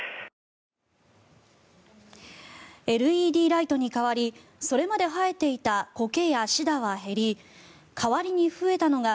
ＬＥＤライトに変わりそれまで生えていたコケやシダは減り代わりに増えたのが